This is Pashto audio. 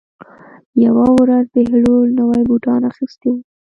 یوه ورځ بهلول نوي بوټان اخیستي وو.